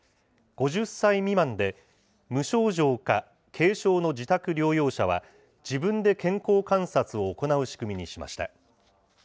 ５０歳未満で、無症状か軽症の自宅療養者は、自分で健康観察を行う仕組みにしました。